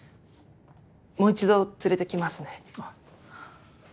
もう一度連れてきますね。